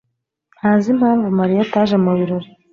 ntazi impamvu Mariya ataje mubirori.